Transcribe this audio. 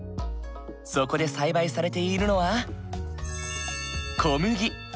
そこで栽培されているのは小麦。